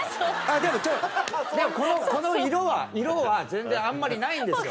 でもこの色は色は全然あんまりないんですよ。